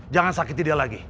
jangan sakiti dia lagi